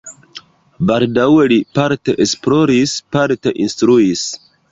Baldaŭe li parte esploris, parte instruis.